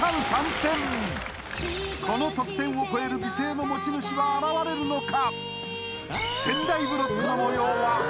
点この得点を超える美声の持ち主は現れるのか？